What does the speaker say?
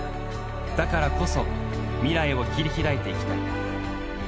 だからこそ未来を切り開いていきたい。